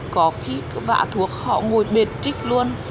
có khi vạ thuốc họ ngồi bệt trích luôn